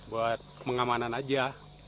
buat kemengamanan aja